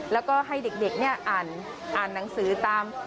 แล้วก็ให้เด็กอ่านหนังสือตาม